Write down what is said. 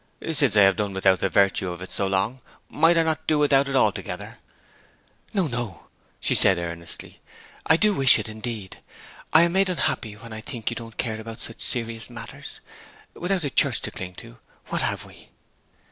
'Since I have done without the virtue of it so long, might I not do without it altogether?' 'No, no!' she said earnestly. 'I do wish it, indeed. I am made unhappy when I think you don't care about such serious matters. Without the Church to cling to, what have we?'